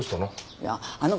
いやあの子